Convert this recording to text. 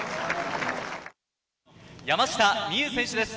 山下美夢有選手です。